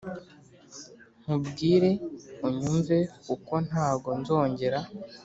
nkubwire unyumve kuko ntago nzongera